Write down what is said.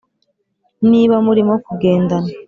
niba murimo kugendana